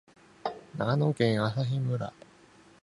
長野県朝日村